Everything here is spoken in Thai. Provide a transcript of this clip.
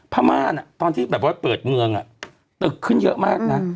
พม่าตอนที่แบบว่าเปิดเมืองตึกขึ้นเยอะมากนะ